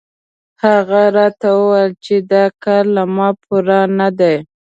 هغه راته وویل چې دا کار له ما پوره نه دی.